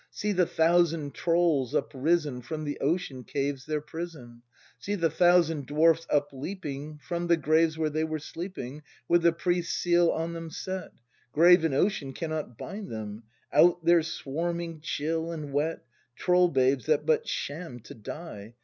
See the thousand trolls uprisen From the ocean caves, their prison; See the thousand dwarfs up leaping From the graves where they were sleeping With the priest's seal on them set: Grave and ocean cannot bind them, Out they're swarming, chill and wet; — Troll babes that but shammed to die.